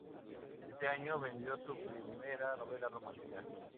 Ese año vendió su primera novela romántica.